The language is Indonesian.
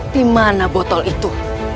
dimana botol itu